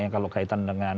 kalau kaitan dengan